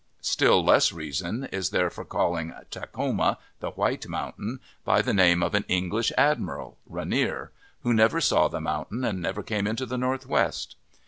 Still less reason is there for calling Takhoma, " The White Mountain," by the name of an English admiral (Rainier) who never saw the mountain and never came into the Northwest.